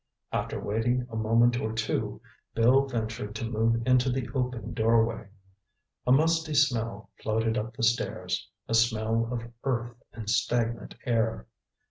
After waiting a moment or two, Bill ventured to move into the open doorway. A musty smell floated up the stairs—a smell of earth and stagnant air.